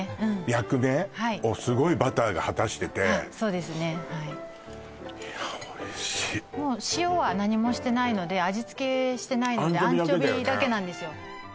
役目？をすごいバターが果たしててそうですねはいいやおいしいもう塩は何もしてないので味付けしてないのでアンチョビだけなんですよ